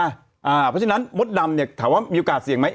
เพราะฉะนั้นมดดำเนี่ยถามว่ามีโอกาสเสี่ยงไหม